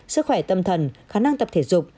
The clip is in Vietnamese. sức khỏe tâm thần khả năng tập thể dục